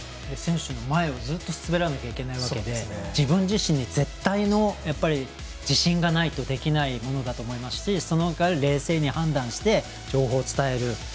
選手の前をずっと滑らなきゃいけないわけで自分自身に絶対の自信がないとできないものだと思いますしそして冷静に判断して情報を伝える。